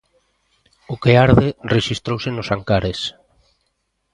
'O que arde' rexistrouse nos Ancares.